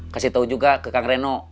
kasih tahu juga ke kang reno